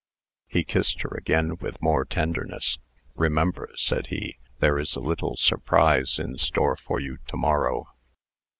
He kissed her again with more tenderness. "Remember," said he, "there is a little surprise in store for you to morrow."